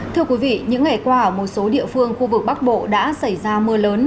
thưa quý vị những ngày qua ở một số địa phương khu vực bắc bộ đã xảy ra mưa lớn